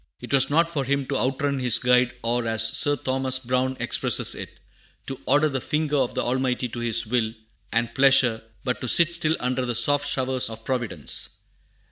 It was not for him to outrun his Guide, or, as Sir Thomas Browne expresses it, to "order the finger of the Almighty to His will and pleasure, but to sit still under the soft showers of Providence."